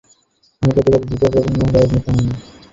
আমার পরিবারের তৃতীয় প্রজন্মের রাজনেতা আমি।